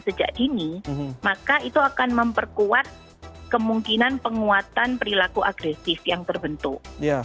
sejak dini maka itu akan memperkuat kemungkinan penguatan perilaku agresif yang terbentuk